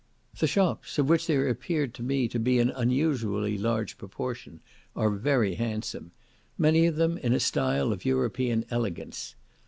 The shops, of which there appeared to me to be an unusually large proportion, are very handsome; many of them in a style of European elegance.